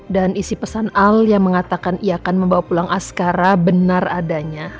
dan isi pesan al yang mengatakan ia akan membawa pulang askara benar adanya